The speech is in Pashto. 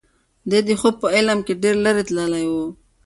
دی د خوب په عالم کې ډېر لرې تللی و.